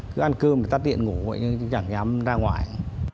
cứ ăn cơm thì tắt điện ngủ chẳng dám ra ngoài